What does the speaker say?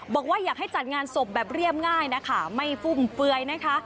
บอกว่าอยากให้จัดงานศพแบบเรียบง่ายนะคะไม่ฟุ่มเฟือยนะคะ